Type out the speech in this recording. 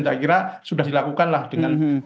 saya kira sudah dilakukanlah dengan